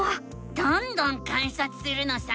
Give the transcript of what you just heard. どんどん観察するのさ！